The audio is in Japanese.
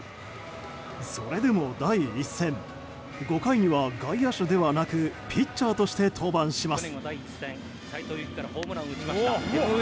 それでも第１戦５回には外野手ではなくピッチャーとして登板します。